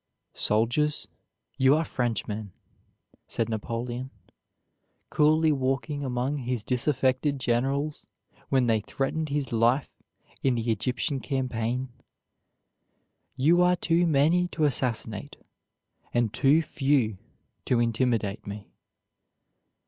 "Soldiers, you are Frenchmen," said Napoleon, coolly walking among his disaffected generals when they threatened his life in the Egyptian campaign; "you are too many to assassinate, and too few to intimidate me."